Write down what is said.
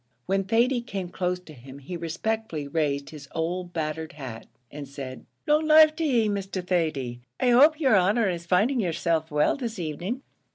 When Thady came close to him he respectfully raised his old battered hat, and said "Long life to ye, Mr. Thady; I hope yer honer is finding yerself well this evening."